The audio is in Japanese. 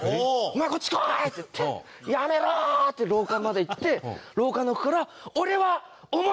「お前こっち来い！」って言って「やめろー！」って廊下まで行って廊下の奥から。